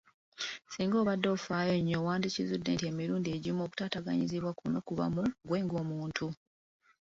Singa obadde ofaayo nnyo, wandikizudde nti emirundi egimu okutaataganyizibwa kuno kuba mu ggwe ng’omuntu.